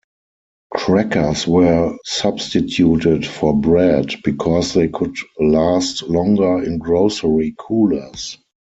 Crackers were substituted for bread because they could last longer in grocery coolers.